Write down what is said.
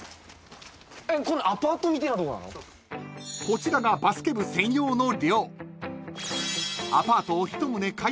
［こちらがバスケ部専用の寮］